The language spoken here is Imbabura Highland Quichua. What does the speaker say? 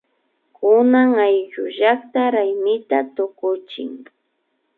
Kunan ayllullakta raymita tukuchin